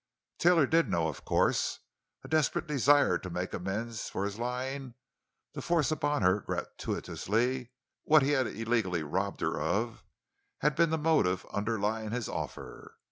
Taylor did know, of course. A desperate desire to make amends for his lying, to force upon her gratuitously what he had illegally robbed her of, had been the motive underlying his offer.